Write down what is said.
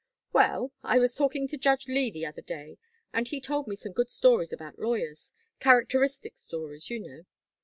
"Well, I was talking to Judge Lee the other day, and he told me some good stories about lawyers characteristic stories, you know.